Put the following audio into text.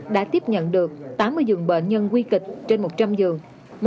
đã tiếp nhận được tám mươi dương bệnh nhân nguy kịch trên một trăm linh dương